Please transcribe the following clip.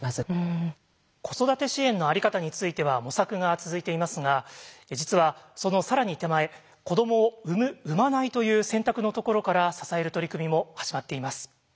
子育て支援の在り方については模索が続いていますが実はその更に手前子どもを産む・産まないという選択のところから支える取り組みも始まっています。